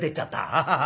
アハハ。